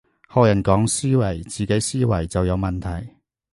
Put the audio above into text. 學人講思維，自己思維就有問題